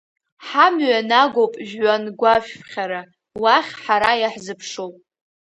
Ҳамҩа нагоуп жәҩангәашәԥхьара, уахь ҳара иаҳзыԥшуп.